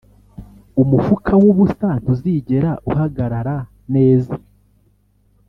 umufuka wubusa ntuzigera uhagarara neza